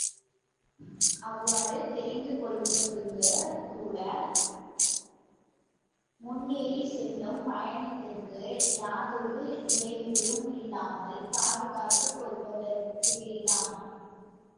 அவ்வாறு தெரிந்து கொள்வதுங் கூட முன்னேறிச் செல்லும் பயணத்திற்கு யாதொரு இடையூறும் இல்லாமல் பாதுகாத்துக் கொள்வதற்கேயாம்.